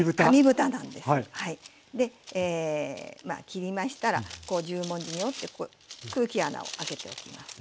切りましたらこう十文字に折ってここ空気穴を開けておきます。